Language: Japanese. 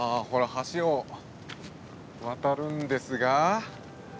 橋を渡るんですが。